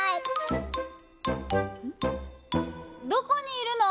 どこにいるの？